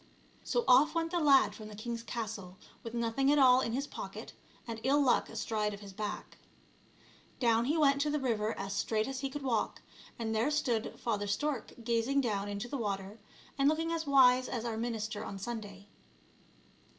So off went the lad from the king's castle, with nothing at all in his pocket and ill luck astride of his back. Down he went to the river as straight as he could walk, and there stood Father Stork gazing down into the water and looking as wise as our minister on Sunday.